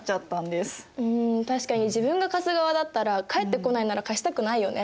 ん確かに自分が貸す側だったら返ってこないなら貸したくないよね。